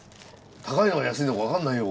高いのか安いのか分かんないよ。